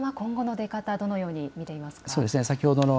渡辺さんは今後の出方、どのように見ていますか。